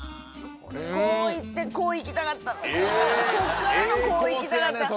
こういってこういきたかったなこっからのこういきたかった。